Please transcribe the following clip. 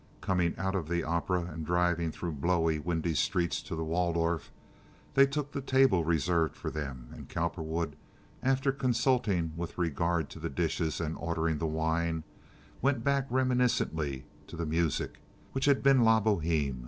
Coming out of the opera and driving through blowy, windy streets to the Waldorf, they took the table reserved for them, and Cowperwood, after consulting with regard to the dishes and ordering the wine, went back reminiscently to the music, which had been "La Boheme."